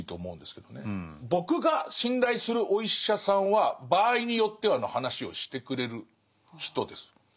僕が信頼するお医者さんは場合によってはの話をしてくれる人です。